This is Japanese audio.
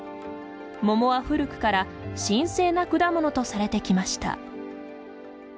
桃は古くから神聖な果物とされてきました。